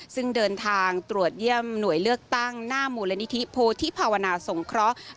ซึ่งเดินทางตรวจเยี่ยมหน่วยเลือกตั้งหน้ามูลนิธิโพธิภาวนาสงเคราะห์